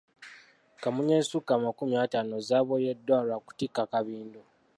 Kamunye ezisukka amakumi ataano zaaboyeddwa lwa kutikka kabindo.